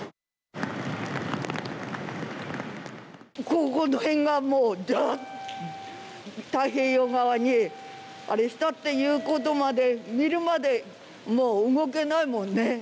このへんがだっと太平洋側にあれしたということまで見るまで動けないもんね。